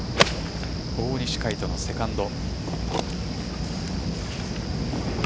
大西魁斗のセカンド。